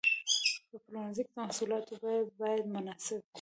په پلورنځي کې د محصولاتو بیه باید مناسب وي.